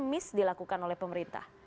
miss dilakukan oleh pemerintah